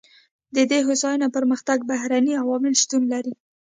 د دې هوساینې او پرمختګ بهرني عوامل شتون لري.